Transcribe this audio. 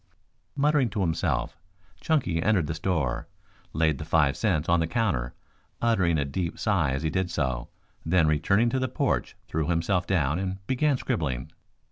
Muttering to himself, Chunky entered the store, laid the five cents on the counter, uttering a deep sigh as he did so, then returning to the porch threw himself down and began scribbling.